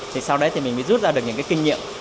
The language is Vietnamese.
thì sau đấy thì mình mới rút ra được những cái kinh nghiệm